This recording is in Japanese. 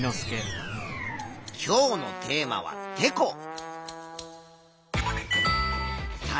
今日のテーマはてこ。